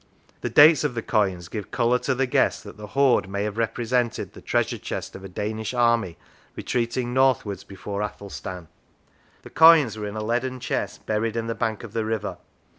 The dates of the coins give colour to the guess that the hoard may have represented the treasure chest of a Danish army retreating northwards before Athelstan. The coins were in a leaden chest buried in the bank of the river.